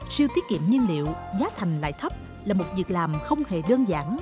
siêu tiết kiệm nhiên liệu giá thành lại thấp là một việc làm không hề đơn giản